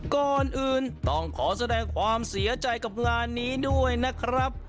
ก่อนอื่นต้องขอแสดงความเสียใจกับงานนี้ด้วยนะครับ